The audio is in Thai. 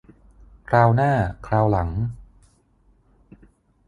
คราวหน้าคราวหลัง